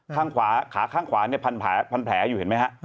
ข้างขวาขาข้างขวาเนี่ยพันแผลอยู่เห็นไหมฮะ